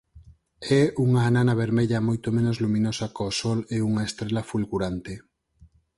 É unha anana vermella moito menos luminosa có Sol e unha estrela fulgurante.